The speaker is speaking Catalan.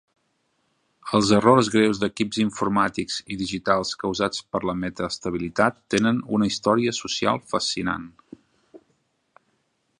Els errors greus d'equips informàtics i digitals causats per la metaestabilitat tenen una història social fascinant.